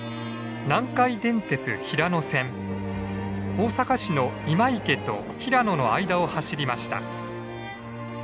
大阪市の今池と平野の間を走りました。